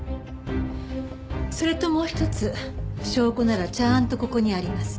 それともう一つ証拠ならちゃんとここにあります。